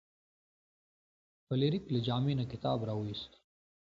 فلیریک له جامې نه کتاب راویوست.